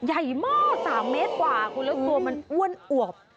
ใหญ่มาก๓เมตรกว่าคุณแล้วตัวมันอ้วนอวบ